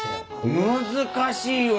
難しいわ。